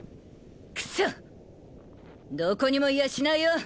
どこにもいやしないよ！